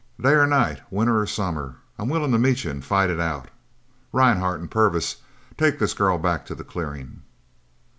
"Day or night, winter or summer, I'm willing to meet you an' fight it out. Rhinehart and Purvis, take this girl back to the clearing!"